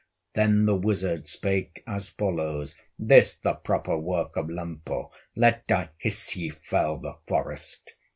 Then the wizard spake as follows: "This the proper work of Lempo, Let dire Hisi fell the forest!"